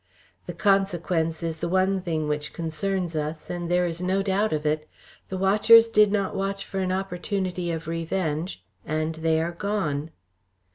The consequence is the one thing which concerns us, and there is no doubt of it. The watchers did not watch for an opportunity of revenge and they are gone."